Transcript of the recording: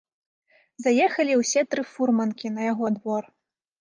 Заехалі ўсе тры фурманкі на яго двор.